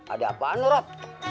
ada apaan lu rat